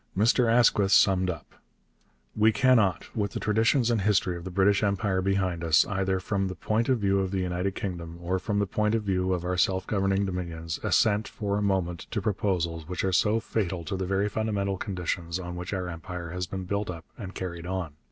Mr Asquith summed up: We cannot, with the traditions and history of the British Empire behind us, either from the point of view of the United Kingdom, or from the point of view of our self governing Dominions, assent for a moment to proposals which are so fatal to the very fundamental conditions on which our empire has been built up and carried on....